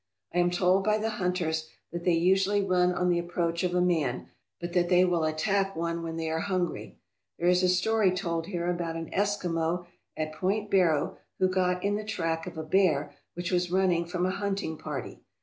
I am told by the hunters that they usually run on the approach of a man, but that they will attack one when they are hungry. There is a story told here about an Eskimo at Point Barrow who got in the track of a bear which was running from a hunting party.